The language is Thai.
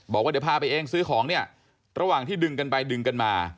บอกว่าเดี๋ยวพาไปเองซื้อของเนี่ยระหว่างที่ดึงกันไปดึงกันมา